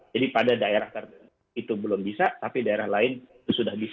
jadi pada daerah itu belum bisa tapi daerah lain itu sudah bisa